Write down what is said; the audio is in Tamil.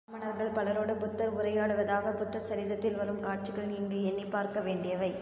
பிராமணர்கள் பலரோடு புத்தர் உரையாடுவதாகப் புத்த சரிதத்தில் வரும் காட்சிகள் இங்கு எண்ணிப்பார்க்க வேண்டியவை.